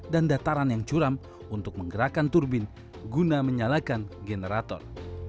dan dataran yang curam untuk menggerakkan turbin guna menyalakan generator